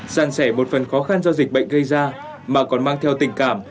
sàn sẻ một phần khó khăn do dịch bệnh gây ra mà còn mang theo tình cảm